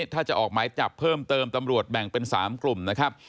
ถ้าจะออกหมายจับเพิ่มเติมตำรวจแบ่งเป็น๓กลุ่มนะครับ